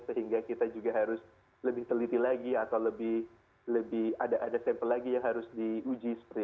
sehingga kita juga harus lebih teliti lagi atau lebih ada sampel lagi yang harus diuji